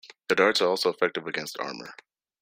The darts are also effective against armour.